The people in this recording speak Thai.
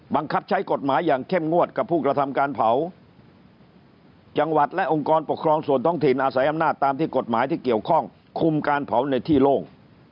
บังคับใช้กฎหมายอย่างเข้มงวดกับผู้กระทำการเผาจังหวัดและองค์กรปกครองส่วนท้องถิ่นอาศัยอำนาจตามที่กฎหมายที่เกี่ยวข้องคุมการเผาในที่โล่ง